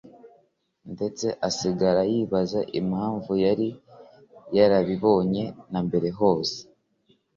ndetse agasigara yibaza impamvu atari yarabibonye na mbere hose!